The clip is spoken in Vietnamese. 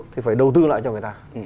thì phải đầu tư lại cho người ta